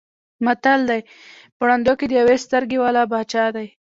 متل دی: په ړندو کې د یوې سترګې واله باچا دی.